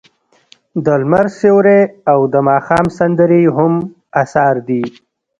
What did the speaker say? د لمر سیوری او د ماښام سندرې یې هم اثار دي.